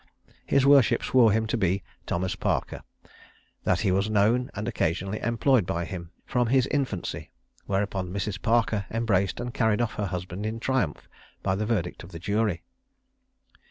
His worship swore him to be Thomas Parker; that he had known, and occasionally employed him, from his infancy; whereupon Mrs. Parker embraced and carried off her husband in triumph, by the verdict of the jury.